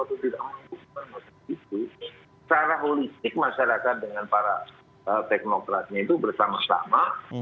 secara politik masyarakat dengan para teknokratnya itu bersama sama